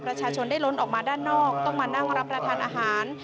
ประชาชนได้ล้นออกมาด้านนอกต้องมานั่งรับประทานอาหาร